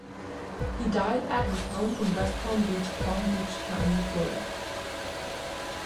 He died at his home in West Palm Beach, Palm Beach County, Florida.